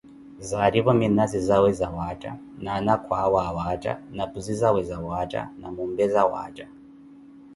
Zaarivo minazi zawe zawaatta na anakhu awe awaatta na puuzi zawaatta na mompe zawaatta.